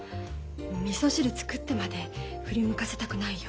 みそ汁作ってまで振り向かせたくないよ。